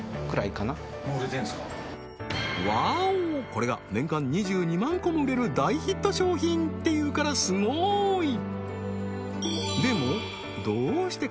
これが年間２２万個も売れる大ヒット商品っていうからすごい！